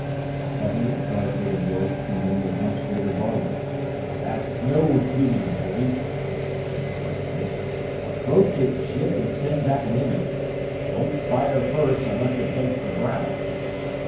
A heavy, authoritative voice came in with much greater volume. "That's no human voice," it said harshly. "Approach its ship and send back an image. Don't fire first unless it heads for ground."